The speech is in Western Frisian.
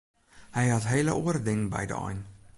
Hy hie hele oare dingen by de ein.